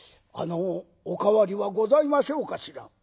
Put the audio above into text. あのお代わりはございましょうかしら」。